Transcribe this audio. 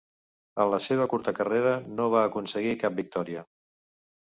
En la seva curta carrera no va aconseguir cap victòria.